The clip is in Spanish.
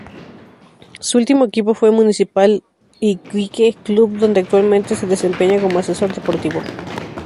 Su último equipo fue Municipal Iquique, club donde actualmente se desempeña como asesor deportivo.